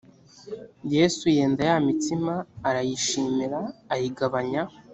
yesu yenda ya mitsima arayishimira ayigabanya